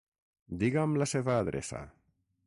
Diga'm la seva adreça.